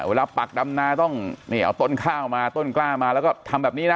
ปักดำนาต้องนี่เอาต้นข้าวมาต้นกล้ามาแล้วก็ทำแบบนี้นะ